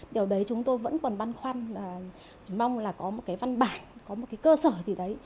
điều đấy chúng tôi vẫn còn băn khoăn là mong là có một cái văn bản có một cái cơ sở gì đấy